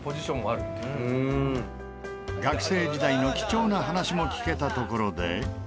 学生時代の貴重な話も聞けたところで。